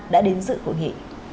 đã tổ chức hội nghị